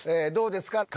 どうですか？